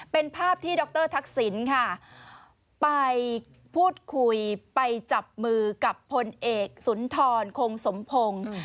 เป็นภาพที่ดรทักษิณค่ะไปพูดคุยไปจับมือกับพลเอกสุนทรคงสมพงศ์